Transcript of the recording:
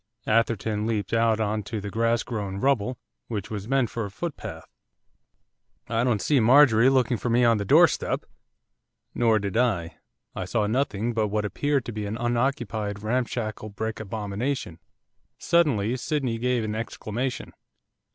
Atherton leaped out on to the grass grown rubble which was meant for a footpath. 'I don't see Marjorie looking for me on the doorstep.' Nor did I, I saw nothing but what appeared to be an unoccupied ramshackle brick abomination. Suddenly Sydney gave an exclamation.